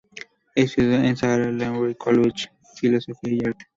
Estudió en el Sarah Lawrence College filosofía y arte.